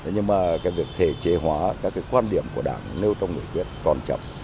nhưng mà việc thể chế hóa các quan điểm của đảng nêu trong nghị quyết còn chậm